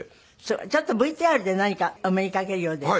ちょっとＶＴＲで何かお目にかけるようですよ。